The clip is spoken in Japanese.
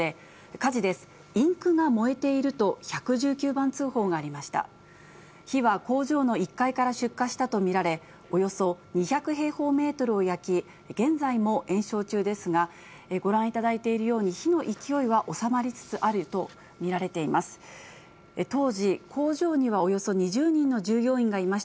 火は工場の１階から出火したと見られ、およそ２００平方メートルを焼き、現在も延焼中ですが、ご覧いただいているように、火の勢いは収まりつつあると見られています。